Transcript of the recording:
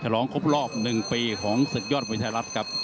ลองครบรอบ๑ปีของศึกยอดมวยไทยรัฐครับ